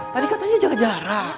tadi katanya jaga jarak